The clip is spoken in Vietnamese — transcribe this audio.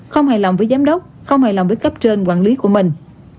không hài lòng với giám đốc không hài lòng với cấp trên quản lý của mình